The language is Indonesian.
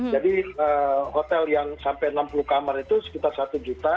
jadi hotel yang sampai enam puluh kamar itu sekitar satu juta